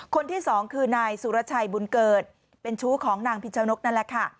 คนที่สองคือนายสุรชัยบุญเกิดเป็นชู้ของนางพิชนกนั่นแหละค่ะ